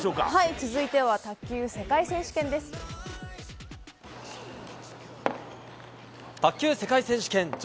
続いては、卓球世界選手権です。